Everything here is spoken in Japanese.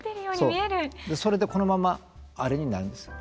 それでこのままあれになるんですよ。